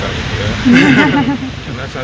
ya itu yang otomatis pak